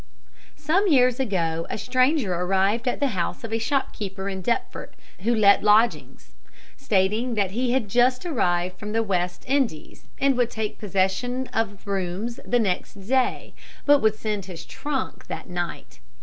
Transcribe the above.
Some years ago, a stranger arrived at the house of a shopkeeper in Deptford who let lodgings, stating that he had just arrived from the West Indies, and would take possession of rooms the next day, but would send his trunk that night.